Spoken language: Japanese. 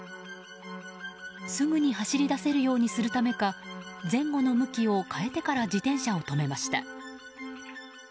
すぐに走り出せるようにするためか前後の向きを変えてから自転車を止めました。